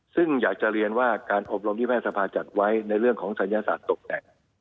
ซึ่งอยากจะเรียนว่าการอบรมที่แพทย์สภาจัดไว้ในเรื่องของศัยศาสตร์ตกแต่ง